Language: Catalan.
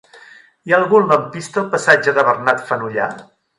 Hi ha algun lampista al passatge de Bernat Fenollar?